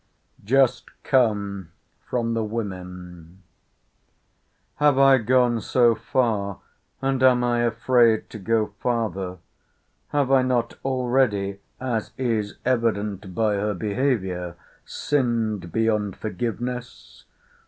Just come from the women. 'Have I gone so far, and am I afraid to go farther?—Have I not already, as it is evident by her behaviour, sinned beyond forgiveness?